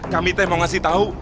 kami mau ngasih tau